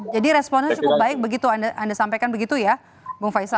responnya cukup baik begitu anda sampaikan begitu ya bung faisal